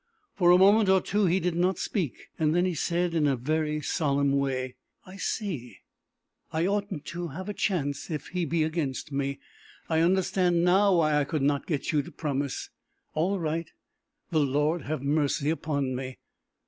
For a moment or two he did not speak. Then he said in a very solemn way, "I see! I oughtn't to have a chance if he be against me! I understand now why I could not get you to promise! All right! The Lord have mercy upon me!"